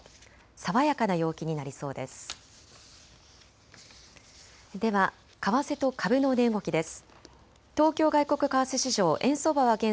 爽やかな陽気になりそうです。